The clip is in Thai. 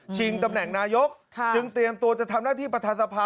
ตำแหน่งนายกจึงเตรียมตัวจะทำหน้าที่ประธานสภา